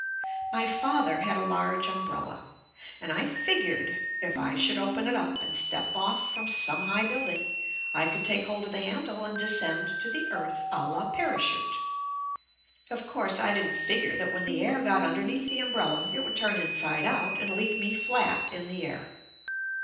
My father had a large umbrella, and I fig ured if I should open it and step off from some high building, I could take hold of the handle and descend to the earth a la parachute. Of course, I didn't figure that when the air got underneath the umbrella it would turn inside out and leave me flat in the air.